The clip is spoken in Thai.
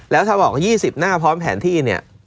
แล้วถ้าบอก๒๐หน้าพร้อมแผนที่เนี่ย